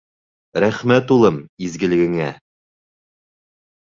— Рәхмәт, улым, изгелегеңә.